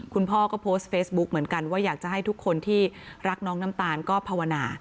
คุณพ่อก็โพสต์เฟซบุ๊คเหมือนกันว่าอยากจะให้ทุกคนที่รักน้องน้ำตาลก็ภาวนา